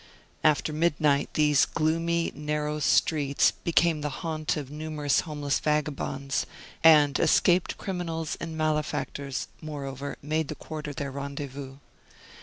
After midnight, these gloomy, narrow streets became the haunt of numerous homeless vagabonds, and escaped criminals and malefactors, moreover, made the quarter their rendezvous.